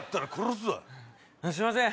すいません。